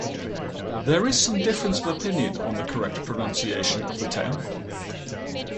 There is some difference of opinion on the correct pronunciation of the town.